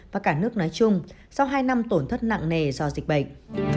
và cả nước nói chung sau hai năm tổn thất nặng nề do dịch bệnh